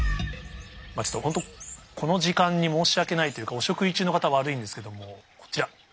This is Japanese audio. ちょっと本当この時間に申し訳ないというかお食事中の方悪いんですけどもこちら。